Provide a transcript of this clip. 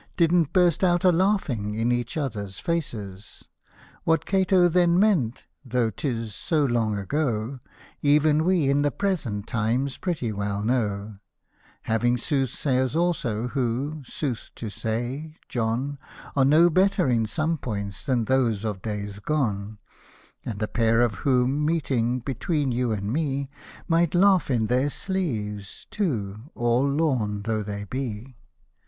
Didn't burst out a laughing in each other's faces. What Cato then meant, though 'tis so long ago, Even we in the present times pretty well know ; Having soothsayers also, who — sooth to say, John — Are no better in some points than those of days gone, And a pair of whom, meeting (between you and me), Might laugh in their sleeves, too — all lawn though they be.